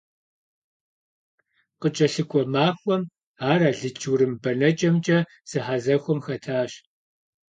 КъыкӀэлъыкӀуэ махуэм ар алыдж-урым бэнэкӀэмкӀэ зэхьэзэхуэм хэтащ.